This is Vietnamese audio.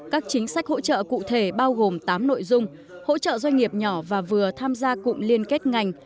các chính sách hỗ trợ cụ thể bao gồm tám nội dung hỗ trợ doanh nghiệp nhỏ và vừa tham gia cụm liên kết ngành